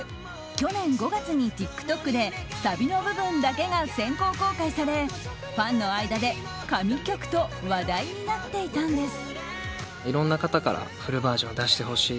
去年５月にＴｉｋＴｏｋでサビの部分だけが先行公開されファンの間で神曲と話題になっていたんです。